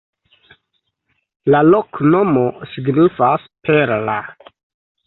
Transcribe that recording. La loknomo signifas: perla.